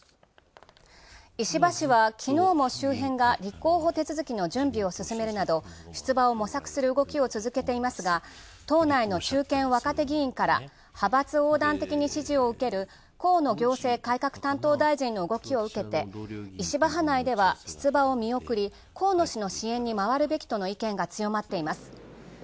石破氏は昨日も周辺が立候補手続きの準備を進めるなど出馬を模索続けていますが、党内の中堅若手議員から派閥横断的に支持を受ける河野行政改革担当大臣の動きを受けて、石破派内では出馬を見送り、河野氏の支援にまわるべきとの意見が強まっています。